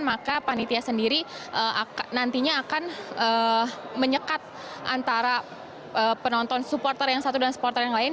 maka panitia sendiri nantinya akan menyekat antara penonton supporter yang satu dan supporter yang lain